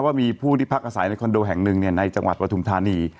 ว่ามีผู้ที่พักอาศัยในคอนโดแห่งหนึ่งในจังหวัดปฐุมธานี